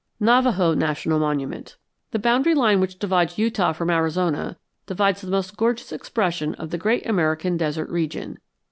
NAVAJO NATIONAL MONUMENT The boundary line which divides Utah from Arizona divides the most gorgeous expression of the great American desert region.